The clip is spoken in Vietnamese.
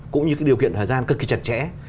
cũng như cái điều kiện thời gian cực kỳ chặt chẽ